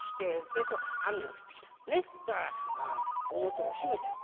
だから表を閉めたの。